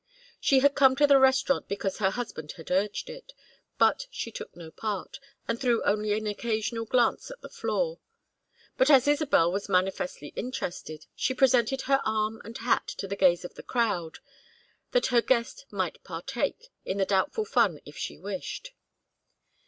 She had come to the restaurant because her husband had urged it, but she took no part, and threw only an occasional glance at the floor. But as Isabel was manifestly interested, she presented her arm and hat to the gaze of the crowd, that her guest might partake in the doubtful fun if she wished.